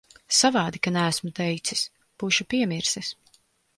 Savādi, ka neesmu teicis. Būšu piemirsis.